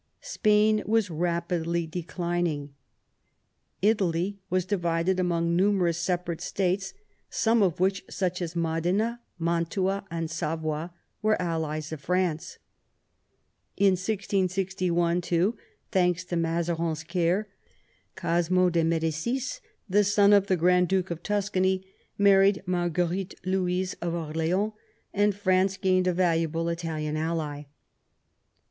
Spain was rapidly declining. Italy was divided among numerous separate states, some of which, such as Modena, Mantua, and Savoy, were allies of Franca In 1661, too, thanks to Mazarin's care, Cosmo dei Medicis, the son of the Grand Duke of Tuscany, married Mar guerite Louise of Orleans, and France gained a valuable Italian ally.